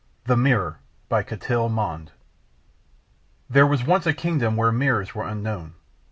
THE MIRROR BY CATULLE MENDES There was once a kingdom where mirrors were unknown.